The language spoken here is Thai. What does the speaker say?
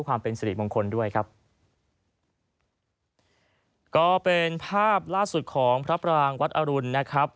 ก็เป็นภาพล่าสุดของพระบรางกฎอรุณนะครับ